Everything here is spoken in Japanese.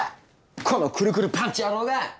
このクルクルパンチ野郎が！